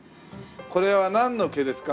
これはなんの毛ですか？